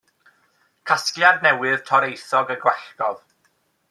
Casgliad newydd toreithiog a gwallgof.